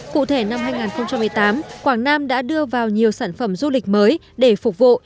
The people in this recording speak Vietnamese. cụ thể năm hai nghìn một mươi tám quảng nam đã đưa vào nhiều sản phẩm du lịch mới để phục vụ